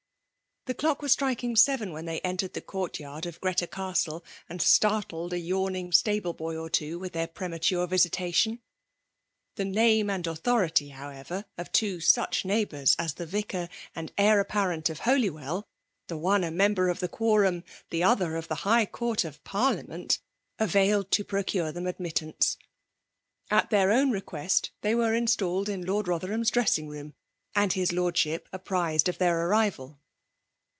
The clock was striking seven when they entered the court yard of Greta Castle, and startled a yawning stable boy or two with their premature visitation. The name and authority, however, of two such neighbours as the vicar and h^ir apparent of Holywell, — the one a member of the Quorum, the other of the high court of Parliament, FEMALE DOMINATION. 265 *• availed to procure them admittance. At their own request, they were installed in Lord Botherham's dressing room, and his Lordship apprized of their arrival.